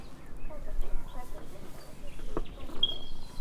Fargo was a lifelong Democrat and stood against secession.